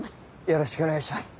よろしくお願いします。